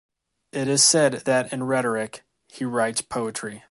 It is said that in rhetoric, he writes poetry.